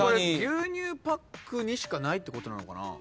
牛乳パックにしかないってことなのかな。